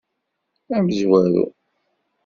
Amezwaru.